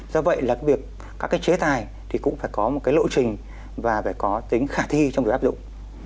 do vậy là cái việc các cái chế tài thì cũng phải có một cái lộ trình và phải có tính khả thi trong việc áp dụng